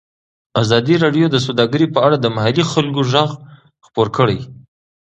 ازادي راډیو د سوداګري په اړه د محلي خلکو غږ خپور کړی.